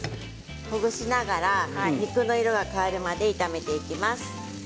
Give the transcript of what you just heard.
ほぐしながら肉の色が変わるまで炒めていきます。